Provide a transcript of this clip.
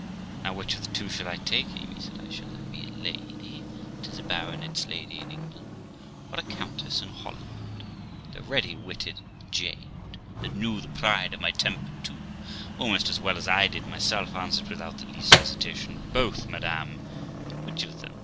'Now, which of the two shall I take, Amy?' said I. 'Shall I be a lady that is, a baronet's lady in England, or a countess in Holland?' The ready witted jade, that knew the pride of my temper too, almost as well as I did myself, answered (without the least hesitation) 'Both, madam. Which of them?'